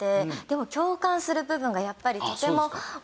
共感する部分がやっぱりとても多くて。